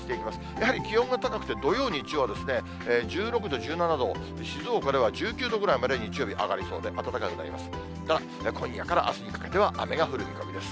やはり気温は高くて土曜、日曜、１６度、１７度、静岡では１９度ぐらいまで日曜日上がりそうで、暖かくなります。